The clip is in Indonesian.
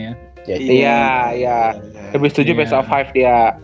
iya iya lebih setuju best of lima dia